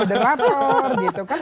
teknologi moderator gitu kan